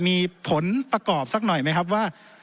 มีผลประกอบสักหน่อยไหมครับว่า